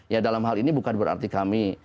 ya dalam hal ini bukan berarti kami